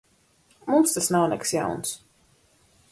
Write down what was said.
Mums tas nav nekas jauns.